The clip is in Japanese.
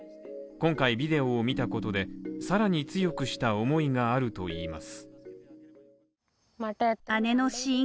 今回ビデオを見たことでさらに強くした思いがあるといいます。